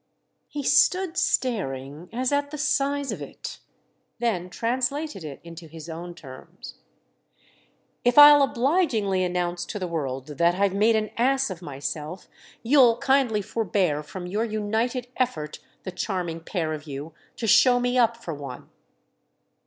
He stood staring as at the size of it—then translated it into his own terms. "If I'll obligingly announce to the world that I've made an ass of myself you'll kindly forbear from your united effort—the charming pair of you—to show me up for one?"